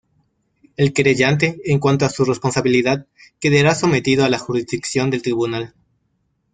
El querellante en cuanto a su responsabilidad quedará sometido a la jurisdicción del Tribunal.